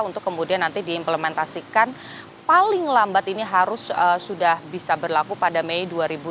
untuk kemudian nanti diimplementasikan paling lambat ini harus sudah bisa berlaku pada mei dua ribu dua puluh